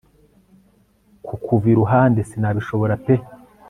kukuva iruhande sinabishobora pe